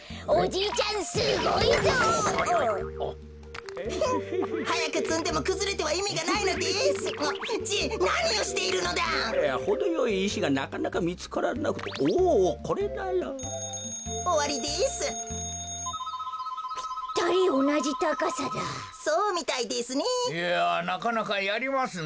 いやなかなかやりますな。